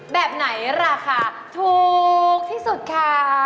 แบบไหนราคาถูกที่สุดคะ